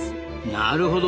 なるほど。